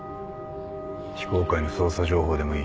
非公開の捜査情報でもいい。